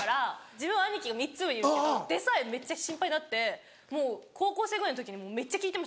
自分兄貴が３つ上にいるけどでさえめっちゃ心配になってもう高校生ぐらいの時にめっちゃ聞いてましたもん。